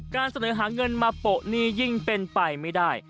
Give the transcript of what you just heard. การเสนอหาเงินมาโปะหนี้ยิ่งเป็นไปไม่ได้